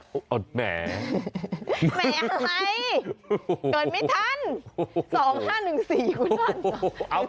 แหมแหมใครเกิดไม่ทันสองห้าหนึ่งสี่คุณสามารถ